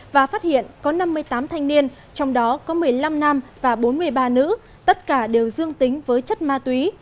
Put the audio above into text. và phát hiện có năm mươi tám thanh niên trong đó có một mươi năm nam và bốn mươi ba nữ tất cả đều dương tính với chất ma túy